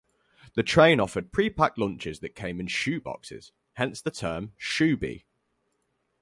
The train offered pre-packed lunches that came in shoe boxes; hence the term shoobie.